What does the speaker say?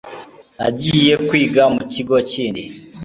nagiye kwiga mu kigo kindi